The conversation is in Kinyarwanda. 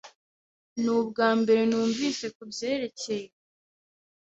Ni ubwambere numvise kubyerekeye.